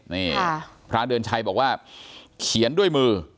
นี่พระเดือนชัยบอกว่าเขียนด้วยมือ